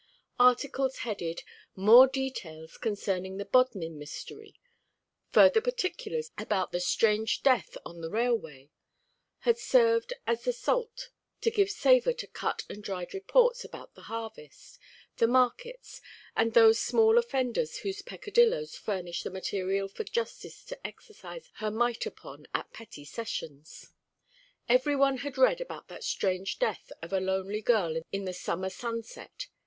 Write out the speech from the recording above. Articles headed "More details concerning the Bodmin Mystery," "Further particulars about the strange death on the railway," had served as the salt to give savour to cut and dried reports about the harvest, the markets, and those small offenders whose peccadilloes furnish the material for Justice to exercise her might upon at petty sessions. Every one had read about that strange death of a lonely girl in the summer sunset.